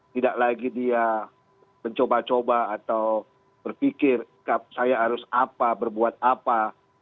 tidak lagi dia mencoba coba atau berpikir saya harus apa berbuat apa